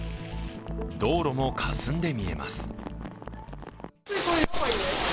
道路もかすんで見えます。